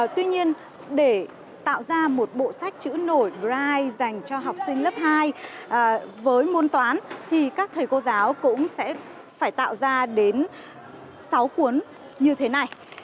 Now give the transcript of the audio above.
tuy nhiên để tạo ra một bộ sách chữ nổi bride dành cho học sinh lớp hai với môn toán thì các thầy cô giáo cũng sẽ phải tạo ra đến sáu cuốn như thế này